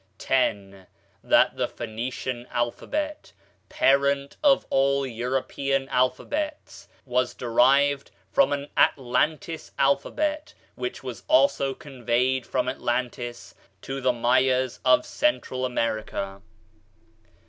10. That the Phoenician alphabet, parent of all the European alphabets, was derived from an Atlantis alphabet, which was also conveyed from Atlantis to the Mayas of Central America.